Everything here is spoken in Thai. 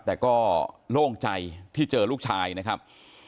แต่ก็โล่งใจที่เจอลูกชายนะครับ